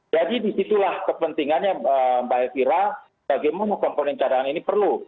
jadi disitulah kepentingannya mbak elvira bagaimana komponen cadangan ini perlu